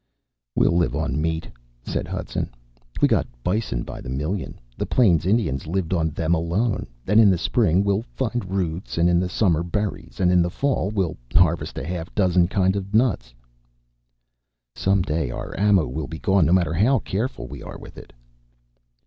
"We'll live on meat," said Hudson. "We got bison by the million. The plains Indians lived on them alone. And in the spring, we'll find roots and in the summer berries. And in the fall, we'll harvest a half dozen kinds of nuts." "Some day our ammo will be gone, no matter how careful we are with it."